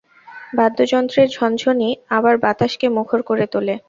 বাদ্যযন্ত্রের ঝনঝনি আবার বাতাসকে মুখর করে তোলে।